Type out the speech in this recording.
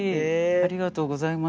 ありがとうございます。